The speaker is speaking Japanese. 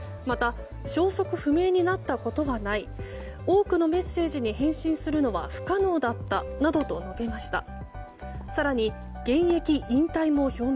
また消息不明になったことはない多くのメッセージに返信するのは不可能だったなどと述べました。